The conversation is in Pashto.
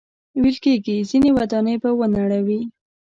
ویل کېږي ځینې ودانۍ به ونړوي.